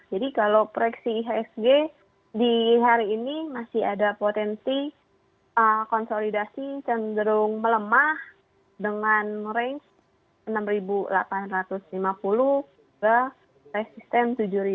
jadi kalau proyeksi ihsg di hari ini masih ada potensi konsolidasi cenderung melemah dengan range enam delapan ratus lima puluh ke resisten tujuh seratus